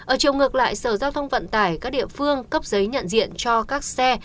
ở chiều ngược lại sở giao thông vận tải các địa phương cấp giấy nhận diện cho các xe